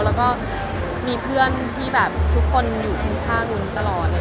แล้วก็มีเพื่อนที่แบบทุกคนอยู่ข้างนู้นตลอด